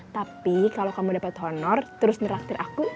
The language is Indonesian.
tapi kalau kamu dapet honor terus nyeraktir aku